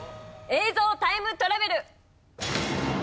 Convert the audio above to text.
映像タイムトラベル！